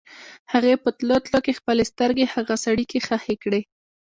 هغې په تلو تلو کې خپلې سترګې په هغه سړي کې ښخې کړې.